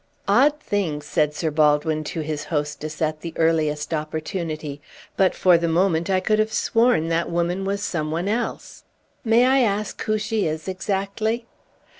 "Odd thing," said Sir Baldwin to his hostess, at the earliest opportunity, "but for the moment I could have sworn that woman was some one else. May I ask who she is exactly?"